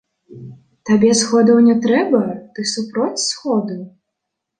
Табе сходаў не трэба, ты супроць сходу?